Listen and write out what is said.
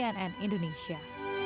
tim liputan cnn indonesia